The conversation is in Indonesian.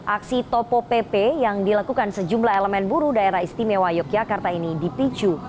aksi topo pp yang dilakukan sejumlah elemen buruh daerah istimewa yogyakarta ini dipicu